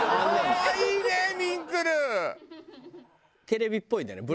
テレビっぽいんだよね。